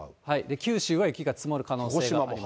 九州は雪が積もる可能性があります。